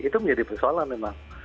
itu menjadi persoalan memang